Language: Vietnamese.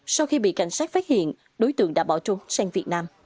sau khi bị cảnh sát phát hiện đối tượng đã bỏ trốn sang việt nam